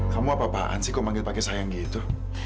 kamu apa apaan sih kok manggil pakai sayang gitu